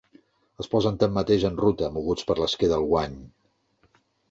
Es posen tanmateix en ruta, moguts per l'esquer del guany.